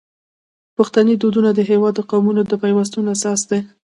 پښتني دودونه د هیواد د قومونو د پیوستون اساس دی.